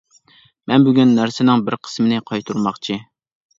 مەن بۈگۈن نەرسىنىڭ بىر قىسمىنى قايتۇرماقچى.